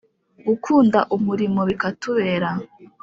gukunda umurimo bikatubera,